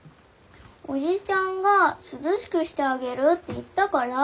おじちゃんが涼しくしてあげるって言ったから！